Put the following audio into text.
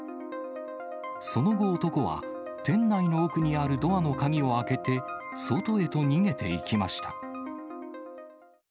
その後、男は店内の奥にあるドアの鍵を開けて、外へと逃げていきました。